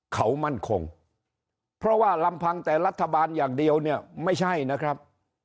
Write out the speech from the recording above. เขามั่นคงเพราะว่าลำพังแต่รัฐบาลอย่างเดียวเนี่ยไม่ใช่นะครับ